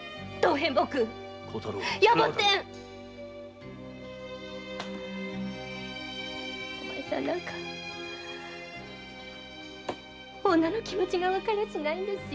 野暮天お前さんなんか女の気持ちがわかるはずないんですよ。